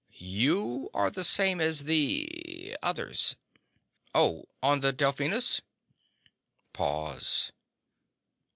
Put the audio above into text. "You are the same as the ... others." "Oh, on the Delphinus?" Pause.